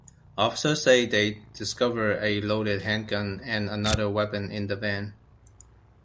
Officers said they discovered a loaded handgun and another weapon in the van.